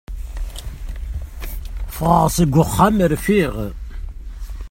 Fɣeɣ seg uxxam rfiɣ.